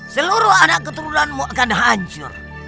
seluruh anak keturunanmu akan hancur